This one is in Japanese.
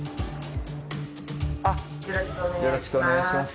よろしくお願いします。